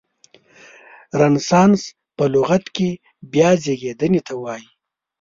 رنسانس په لغت کې بیا زیږیدنې ته وایي.